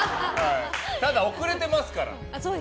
ただ、遅れてますから。